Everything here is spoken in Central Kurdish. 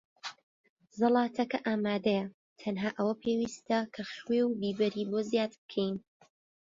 زەڵاتەکە ئامادەیە. تەنها ئەوە پێویستە کە خوێ و بیبەری بۆ زیاد بکەین.